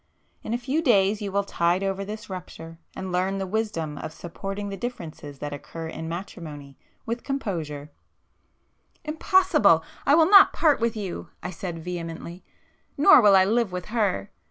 In a few days you will tide over this rupture, and learn the wisdom of supporting the differences that occur in matrimony, with composure——" "Impossible! I will not part with you!" I said vehemently—"Nor will I live with her!